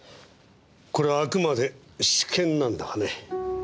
これはあくまで私見なんだがね